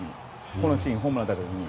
このシーンホームラン打たれた時に。